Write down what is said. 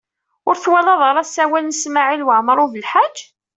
Ur twalad ara asawal n Smawil Waɛmaṛ U Belḥaǧ?